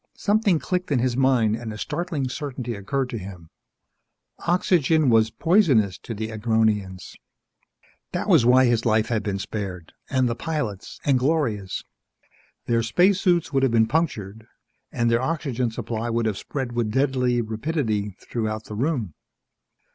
Something clicked in his mind and a startling certainty occurred to him. Oxygen was poisonous to the Agronians! That was why his life had been spared. And the pilot's and Gloria's. Their spacesuits would have been punctured and their oxygen supply would have spread with deadly rapidity throughout the room.